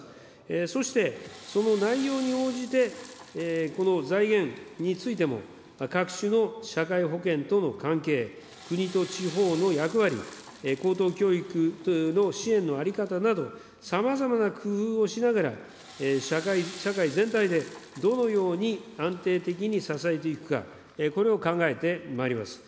そして、その内容に応じて、この財源についても、各種の社会保険との関係、国と地方の役割、高等教育の支援の在り方など、さまざまな工夫をしながら、社会全体でどのように安定的に支えていくか、これを考えてまいります。